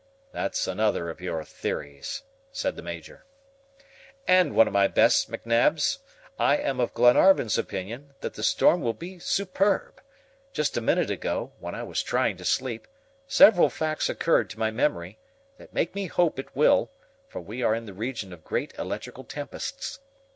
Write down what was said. "That's another of your theories," said the Major. "And one of my best, McNabbs. I am of Glenarvan's opinion, that the storm will be superb. Just a minute ago, when I was trying to sleep, several facts occurred to my memory, that make me hope it will, for we are in the region of great electrical tempests.